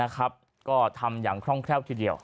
ก็ทำอย่างคร่องแคล่วทีเดียว